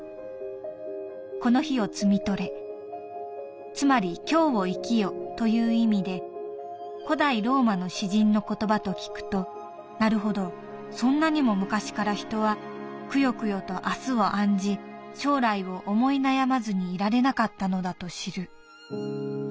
この日を摘み取れつまり今日を生きよという意味で古代ローマの詩人の言葉と聞くとなるほどそんなにも昔から人はくよくよと明日を案じ将来を思い悩まずにいられなかったのだと知る」。